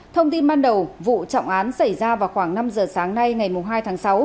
thông tin ban đầu vụ trọng án xảy ra vào khoảng năm giờ sáng nay ngày hai tháng sáu